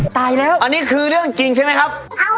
ตายแล้วอันนี้คือเรื่องจริงใช่ไหมครับ